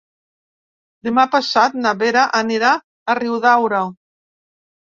Demà passat na Vera anirà a Riudaura.